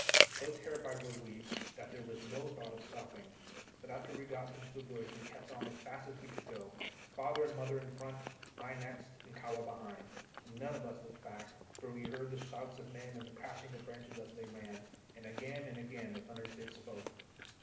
So terrified were we that there was no thought of stopping, but after we got into the woods we kept straight on as fast as we could go, father and mother in front, I next, and Kahwa behind; and none of us looked back, for we heard the shouts of men and the crashing of branches as they ran, and again and again the thunder stick spoke.